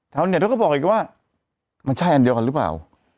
เน็ตเขาก็บอกอีกว่ามันใช่อันเดียวกันหรือเปล่า